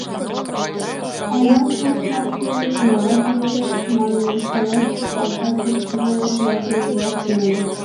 Аймат пӧрт марте кунаррак лиеш манын ончалят, салтак курткыжым кудалтен, ияш тӱҥале.